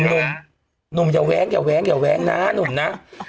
หนุ่มหนุ่มอย่าแว้งอย่าแว้งอย่าแว้งนะหนุ่มนะ